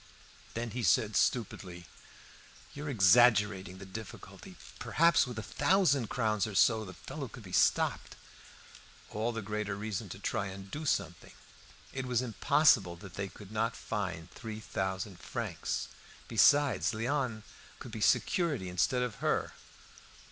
Then he said stupidly, "You are exaggerating the difficulty. Perhaps, with a thousand crowns or so the fellow could be stopped." All the greater reason to try and do something; it was impossible that they could not find three thousand francs. Besides, Léon, could be security instead of her.